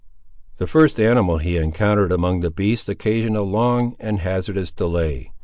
The first animal he encountered among the beasts occasioned a long and hazardous delay.